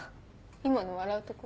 今の笑うとこ？